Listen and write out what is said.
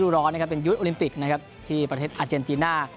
ฤดูร้อนเป็นยุทธ์โอลิมปิกที่ประเทศอาเจนติน่า